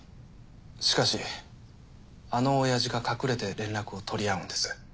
しかしあの親父が隠れて連絡を取り合うんです。